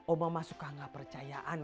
oma suka gak percayaan